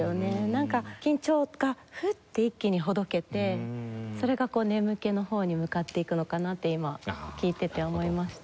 なんか緊張がフッて一気にほどけてそれがこう眠気の方に向かっていくのかなって今聴いてて思いました。